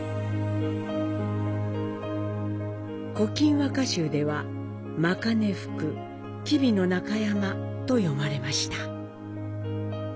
古今和歌集では、「真金吹く吉備の中山」と詠まれました。